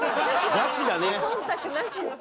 ガチだね。